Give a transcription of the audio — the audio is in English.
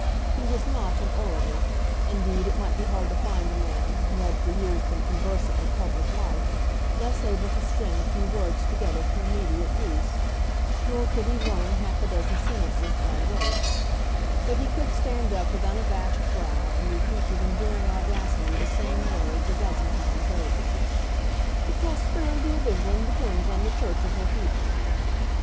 He was not an orator. Indeed, it might be hard to find a man, who had for years been conversant with public life, less able to string a few words together for immediate use. Nor could he learn half a dozen sentences by rote. But he could stand up with unabashed brow and repeat with enduring audacity the same words a dozen times over "The prosperity of England depends on the Church of her people."